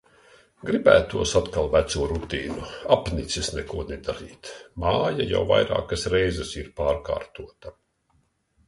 Gribētos atkal veco rutīnu. Apnicis neko nedarīt. Māja jau vairākas reizes ir pārkārtota.